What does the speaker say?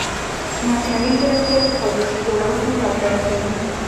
مصنوعي ځیرکتیا د پالیسي جوړونې ملاتړ کوي.